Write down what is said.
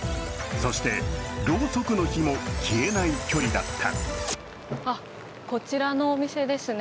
そして、ろうそくの火も消えない距離だった。